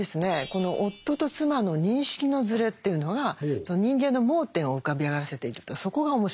この夫と妻の認識のずれというのが人間の盲点を浮かび上がらせているとそこが面白いと思います。